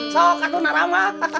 sok aku naramah